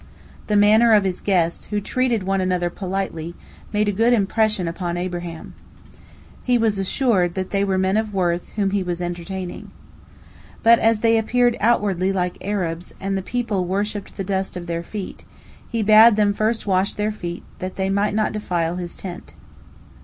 The manner of his guests, who treated one another politely, made a good impression upon Abraham. He was assured that they were men of worth whom he was entertaining. But as they appeared outwardly like Arabs, and the people worshipped the dust of their feet, he bade them first wash their feet, that they might not defile his tent.